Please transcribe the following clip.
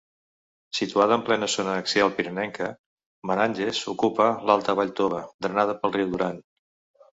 Situada en plena zona axial pirinenca, Meranges ocupa l'alta vall Tova, drenada pel riu Duran.